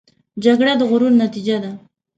جګړه د غرور نتیجه ده